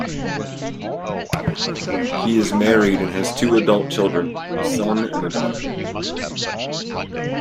He is married and has two adult children, a son and daughter.